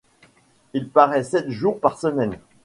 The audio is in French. Il paraît sept jours par semaine.